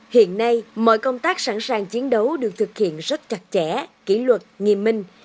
hiện nay mọi công tác sẵn sàng chiến đấu được thực hiện rất chặt chẽ kỷ luật nghiêm minh